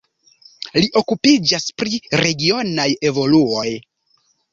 Li okupiĝas pri regionaj evoluoj.